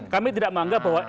kami tidak menganggap bahwa